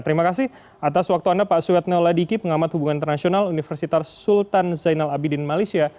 terima kasih atas waktu anda pak suetno ladiki pengamat hubungan internasional universitas sultan zainal abidin malaysia